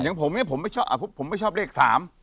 อย่างผมเนี่ยผมไม่ชอบเลขสาม